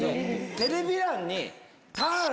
テレビ欄に。